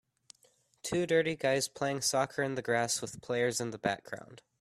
Two dirty guys playing soccer in the grass with players in the background.